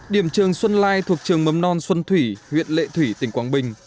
điểm trường xuân lai thuộc trường mầm non xuân thủy huyện lệ thủy tỉnh quảng bình